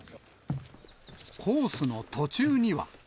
コースの途中には。